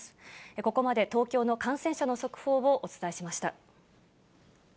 ここまで東京の感染者の速報をお伝えしました。